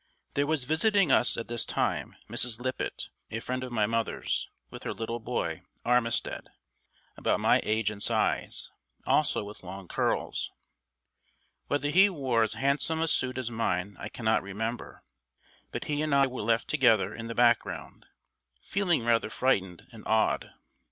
There was visiting us at this time Mrs. Lippitt, a friend of my mother's, with her little boy, Armistead, about my age and size, also with long curls. Whether he wore as handsome a suit as mine I cannot remember, but he and I were left together in the background, feeling rather frightened and awed.